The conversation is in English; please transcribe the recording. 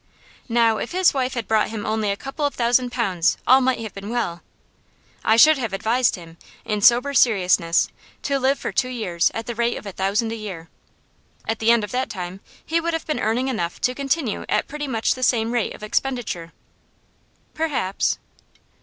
Now if his wife had brought him only a couple of thousand pounds all might have been well. I should have advised him, in sober seriousness, to live for two years at the rate of a thousand a year. At the end of that time he would have been earning enough to continue at pretty much the same rate of expenditure.' 'Perhaps.